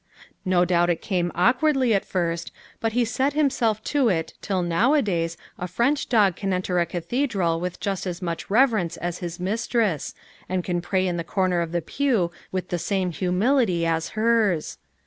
No doubt it came awkwardly at first, but he set himself to it till nowadays a French dog can enter a cathedral with just as much reverence as his mistress, and can pray in the corner of the pew with the same humility as hers.